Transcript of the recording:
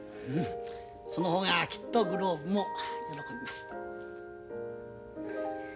その方がきっとグローブも喜びます。